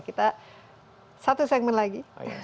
kita satu segmen lagi